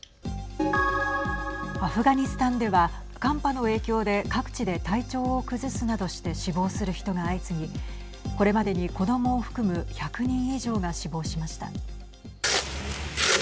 アフガニスタンでは寒波の影響で各地で体調を崩すなどして死亡する人が相次ぎこれまでに子どもを含む１００人以上が死亡しました。